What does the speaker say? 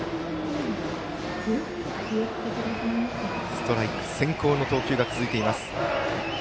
ストライク先行の投球が続いています。